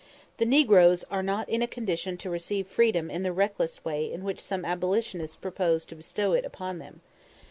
The negroes are not in a condition to receive freedom in the reckless way in which some abolitionists propose to bestow it upon them.